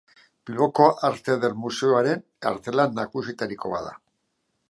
Bilboko Arte Eder Museoaren artelan nagusienetariko bat da.